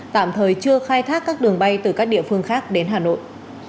tạm thời chưa khai thác các đường bay từ các địa phương khác đến hà nội